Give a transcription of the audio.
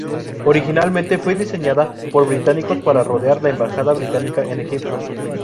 Originalmente fue diseñada por británicos para rodear la embajada británica en Egipto.